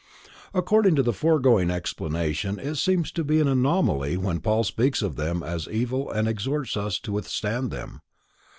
According to the foregoing explanation it seems to be an anomaly when Paul speaks of them as evil and exhorts us to withstand them.